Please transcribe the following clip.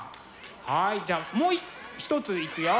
はいじゃあもう一ついくよ！